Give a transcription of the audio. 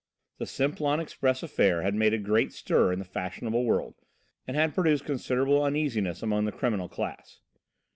The Simplon Express affair had made a great stir in the fashionable world, and had produced considerable uneasiness among the criminal class.